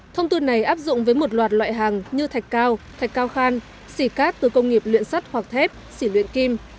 thông tư này áp dụng với một loạt loại hàng như thạch cao thạch cao khan xỉ cát từ công nghiệp luyện sắt hoặc thép xỉ luyện kim